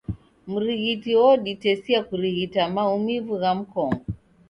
Mrighiti woditesia kurighita maumivu gha mkongo.